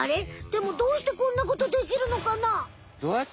でもどうしてこんなことできるのかな？